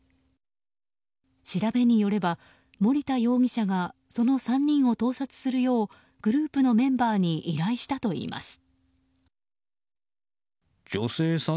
調べによれば森田容疑者がその３人を盗撮するようグループのメンバーに依頼したといいます。